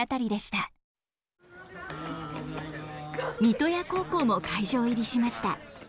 三刀屋高校も会場入りしました。